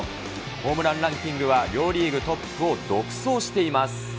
ホームランランキングは両リーグトップを独走しています。